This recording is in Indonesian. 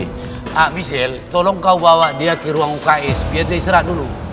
pak wisil tolong kau bawa dia ke ruang uks biar dia istirahat dulu